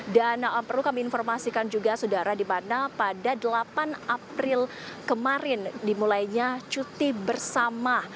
dan perlu kami informasikan juga saudara di mana pada delapan april kemarin dimulainya cuti bersama